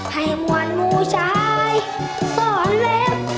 ให้หมวนมูชายสอนเล็บ